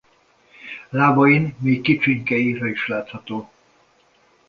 Lábain még kicsinyke irha is látható.